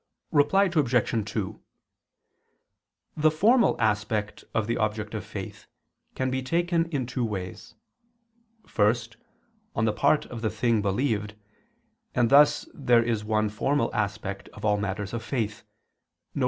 Reply Obj. 2: The formal aspect of the object of faith can be taken in two ways: first, on the part of the thing believed, and thus there is one formal aspect of all matters of faith, viz.